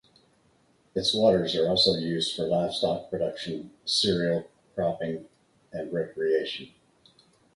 Its waters are also used for livestock production, cereal cropping and recreation.